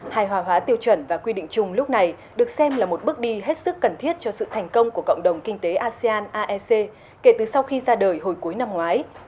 hài hòa hóa tiêu chuẩn và quy định chung lúc này được xem là một bước đi hết sức cần thiết cho sự thành công của cộng đồng kinh tế asean aec kể từ sau khi ra đời hồi cuối năm ngoái